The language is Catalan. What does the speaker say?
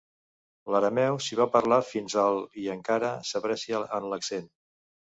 L'arameu s'hi va parlar fins al i encara s'aprecia en l'accent.